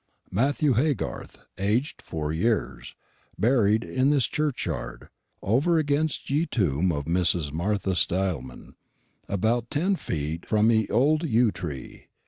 Matthew Haygarthe, aged foure yeares, berrid in this churcheyarde, over against ye tombe off Mrs. Marttha Stileman, about 10 fete fromm ye olde yue tre.